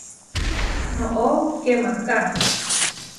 ¡Noʼó kemaká!